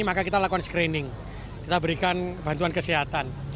maka kita lakukan screening kita berikan bantuan kesehatan